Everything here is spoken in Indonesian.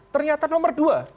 ternyata nomor dua